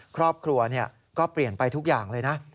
ครอบครัวก็เปลี่ยนไปทุกอย่างเลยนะ